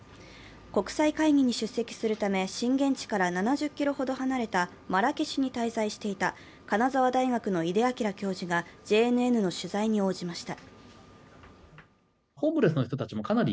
国際会議に出席するため震源地から７０ｋｍほど離れたマラケシュに滞在していた金沢大学の井出明教授がＪＮＮの取材に応じました。